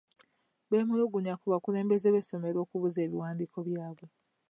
Beemulugunya ku bakulu b'essomero okubuza ebiwandiko byabwe.